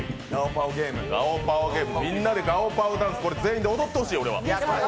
みんなでガオパオダンス全員で踊ってほしい。